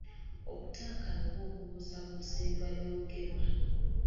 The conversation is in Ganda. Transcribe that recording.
Okutankana oba okubuusabuusa ebiba by'ogerwa.